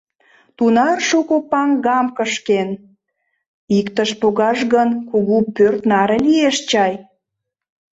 Тунар шуко паҥгам кышкен — иктыш погаш гын, кугу пӧрт наре лиеш чай.